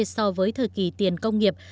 so với thời kỳ tiền công nghiệp